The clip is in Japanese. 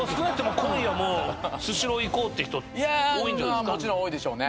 いやもちろん多いでしょうね。